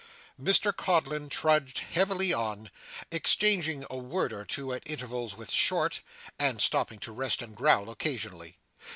Mr Codlin trudged heavily on, exchanging a word or two at intervals with Short, and stopping to rest and growl occasionally.